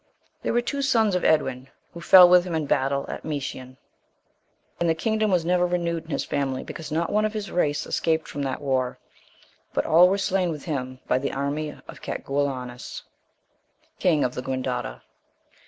There were two sons of Edwin, who fell with him in battle at Meicen,(2) and the kingdom was never renewed in his family, because not one of his race escaped from that war; but all were slain with him by the army of Catguollaunus,(3) king of the Guendota.